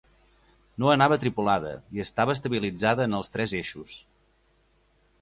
No anava tripulada, i estava estabilitzada en els tres eixos.